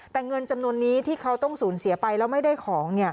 แต่เงินจำนวนนี้ที่เขาต้องสูญเสียไปแล้วไม่ได้ของ